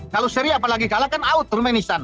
kalau seri apalagi kalah kan out turmenistan